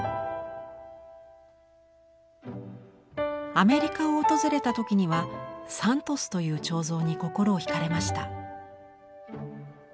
アメリカを訪れた時にはサントスという彫像に心を引かれました。